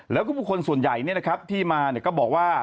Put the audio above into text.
แล้วก็บุคคลส่วนใหญ่ที่มาก็บอกว่า